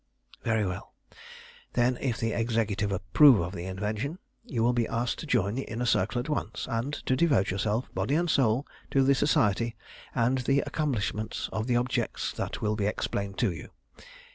"Very well. Then if the Executive approve of the invention, you will be asked to join the Inner Circle at once, and to devote yourself body and soul to the Society and the accomplishment of the objects that will be explained to you.